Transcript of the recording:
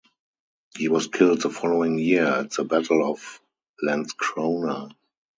He was killed the following year at the Battle of Landskrona.